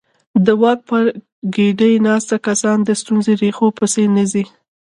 د واک پر ګدۍ ناست کسان د ستونزې ریښو پسې نه ځي.